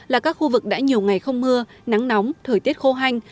là các khu vực đã nhiều ngày không mưa nắng nóng thời tiết khô hanh